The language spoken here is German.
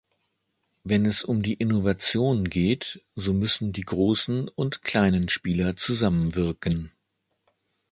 Wenn es um die Innovation geht, so müssen die großen und kleinen Spieler zusammenwirken.